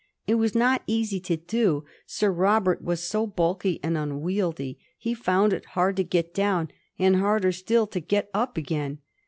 It was not easy to do. Sir Robert was so bulky and unwieldy. He found it hard to get down, and harder still to get up again.